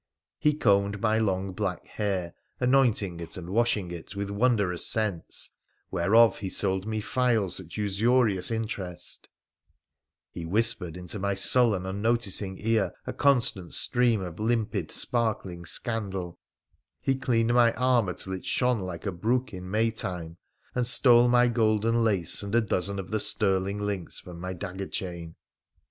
He combed my long black hair, anointing and washing it with wondrous scents, whereof he sold me phials at usurious interest; he whispered into my sullen, unnoticing ear a constant stream of limpid, sparkling scandal ; he cleaned my armour till it shone like a brook in May time, and stole my golden lace and a dozen of the sterling links from my dagger chain.